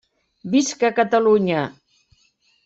Visca Catalunya!